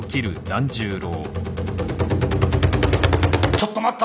ちょっと待った！